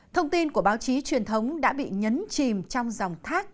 thông tin của báo chí truyền thống đã bị nhấn chìm trong dòng truyền thống